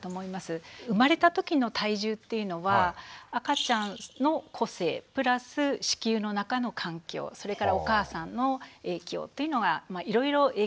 生まれたときの体重っていうのは赤ちゃんの個性プラス子宮の中の環境それからお母さんの影響というのがいろいろ影響を受けるわけですね。